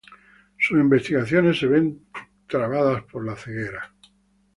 Sus investigaciones se ven trabadas por la ceguera.